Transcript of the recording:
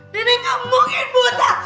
nenek gak mungkin buta